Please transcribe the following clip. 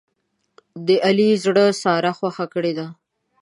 د علي زړه ساره خوښه کړې ده.